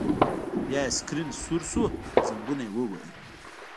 بیا یې سکرین سور شو او زنګونه یې ووهل